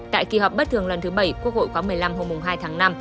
tại kỳ họp bất thường lần thứ bảy quốc hội khóa một mươi năm hôm hai tháng năm